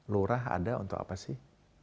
lurah ada untuk apa sih